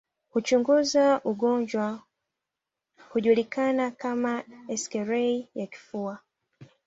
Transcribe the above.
Huchunguza ugonjwa hujulikana kama eksirei ya kifua